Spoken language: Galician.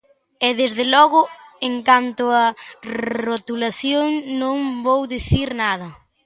E, desde logo, en canto á rotulación non vou dicir nada.